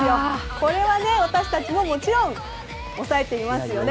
これは私たちももちろん押さえていますよね。